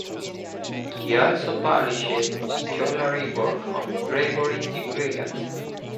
He also published scholarly work on Gregory the Great.